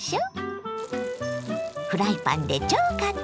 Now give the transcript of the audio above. フライパンで超簡単！